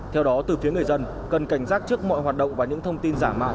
theo đó từ phía người dân cần cảnh giác trước mọi hoạt động và những thông tin giả mạo